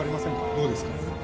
どうですか？